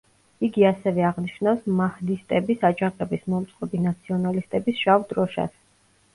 იგი ასევე აღნიშნავს მაჰდისტების აჯანყების მომწყობი ნაციონალისტების შავ დროშას.